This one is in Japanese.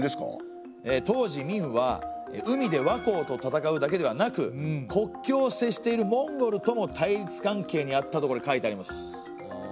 当時明は海で倭寇と戦うだけではなく国境を接しているモンゴルとも対立関係にあったとこれ書いてあります。